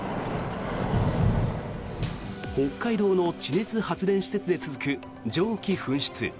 北海道の地熱発電施設で続く蒸気噴出。